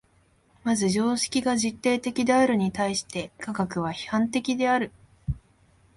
まず常識が実定的であるに対して科学は批判的である。